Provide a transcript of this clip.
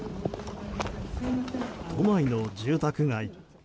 都内の住宅街。